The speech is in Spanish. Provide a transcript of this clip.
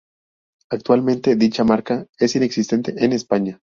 Actualmente, dicha marca es inexistente en España.